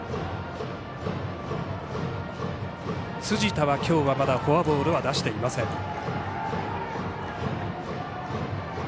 辻田は今日はまだフォアボールは出していません。